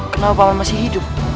kenapa paman masih hidup